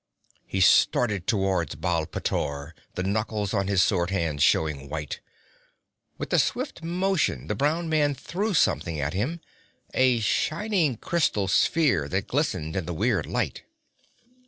He started toward Baal pteor, the knuckles on his sword hand showing white. With a swift motion the brown man threw something at him a shining crystal sphere that glistened in the weird light.